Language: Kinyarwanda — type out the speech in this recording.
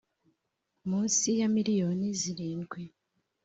munsi ya miliyoni zirindwi